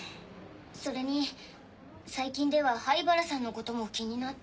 それに最近では灰原さんのことも気になって。